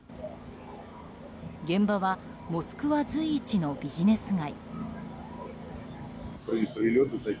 現場はモスクワ随一のビジネス街。